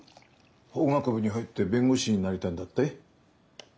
法学部に入って弁護士になりたいんだって？